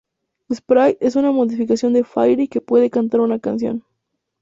Sprite es una modificación de Fairy que puede cantar una canción.